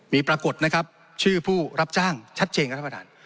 มีปรากฏนะครับชื่อผู้รับจ้างชัดเจนครับท่านประธาน